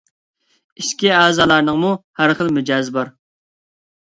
ئىچكى ئەزالارنىڭمۇ ھەر خىل مىجەزى بار.